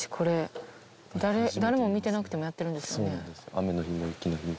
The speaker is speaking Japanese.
雨の日も雪の日も。